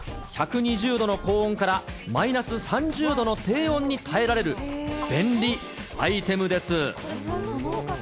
１２０度の高温からマイナス３０度の低温に耐えられる便利アイテムです。